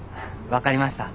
分かりました。